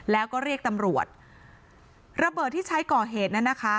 แล้วก็เรียกตำรวจระเบิดที่ใช้ก่อเหตุนั้นนะคะ